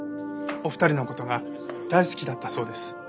お二人の事が大好きだったそうです。